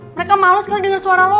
mereka males kali dengar suara lo